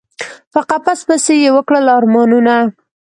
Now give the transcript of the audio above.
په قفس پسي یی وکړل ارمانونه